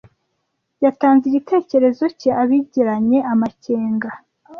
Yatanze igitekerezo cye abigiranye amakenga.